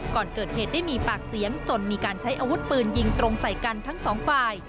ก่อนเกิดเหตุได้มีปากเสียงจนมีการใช้อาวุธปืนยิงตรงใส่กันทั้งสองฝ่าย